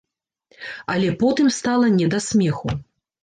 Але потым стала не да смеху.